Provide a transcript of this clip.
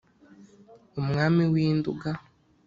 umwami w’i nduga.